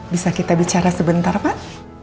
bisa kita bicara sebentar pak